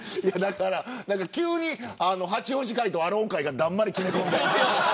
急に八王子会とアローン会がだんまり決め込んで。